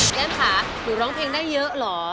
แก้มค่ะหนูร้องเพลงได้เยอะเหรอ